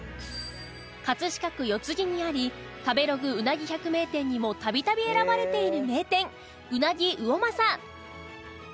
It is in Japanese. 飾区四つ木にあり食べログうなぎ百名店にも度々選ばれている名店うなぎ魚政